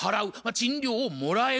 賃料をもらえる。